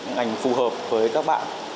ngành phù hợp với các bạn